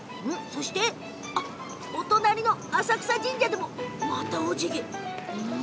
そしてお隣、浅草神社でもまた、おじぎ。